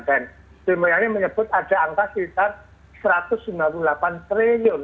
dan sebetulnya ini menyebut ada angka sekitar rp satu ratus sembilan puluh delapan triliun